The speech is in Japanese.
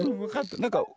なんか。